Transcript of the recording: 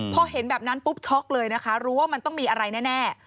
พอเห็นแบบนั้นปุ๊บช็อกเลยนะคะรู้ว่ามันต้องมีอะไรแน่